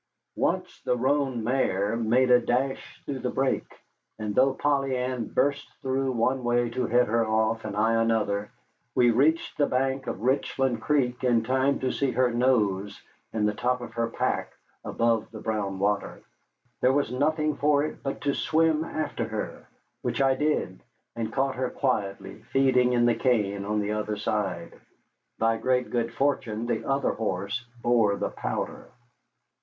Once the roan mare made a dash through the brake, and, though Polly Ann burst through one way to head her off and I another, we reached the bank of Richland Creek in time to see her nose and the top of her pack above the brown water. There was nothing for it but to swim after her, which I did, and caught her quietly feeding in the cane on the other side. By great good fortune the other horse bore the powder.